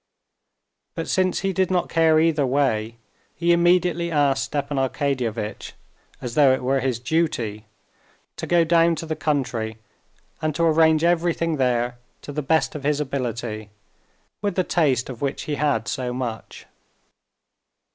But since he did not care either way, he immediately asked Stepan Arkadyevitch, as though it were his duty, to go down to the country and to arrange everything there to the best of his ability with the taste of which he had so much.